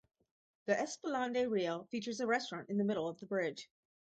The Esplanade Riel features a restaurant in the middle of the bridge.